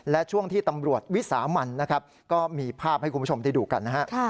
แล้วก็ช่วงที่ตำรวจวิสามันก็มีภาพให้คุณผู้ชมไปดูกัน